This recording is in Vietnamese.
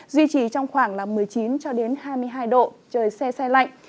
duy trì trong khoảng là một mươi chín hai mươi hai độ trời xe xe lạnh